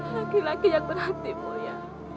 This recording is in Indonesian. laki laki yang berhati mu ya